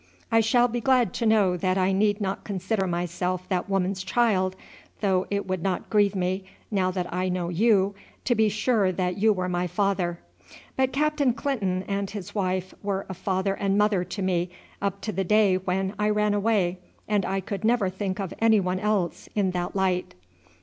"I shall be glad to know that I need not consider myself that woman's child, though it would not grieve me, now that I know you, to be sure that you were my father. But Captain Clinton and his wife were a father and mother to me up to the day when I ran away, and I could never think of anyone else in that light."